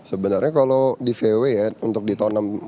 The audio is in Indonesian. sebenarnya kalau di vw ya untuk di tahun enam puluh